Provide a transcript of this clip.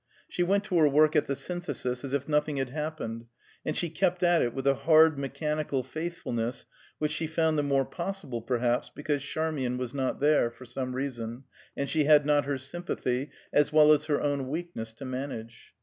She went to her work at the Synthesis as if nothing had happened, and she kept at it with a hard, mechanical faithfulness which she found the more possible, perhaps, because Charmian was not there, for some reason, and she had not her sympathy as well as her own weakness to manage.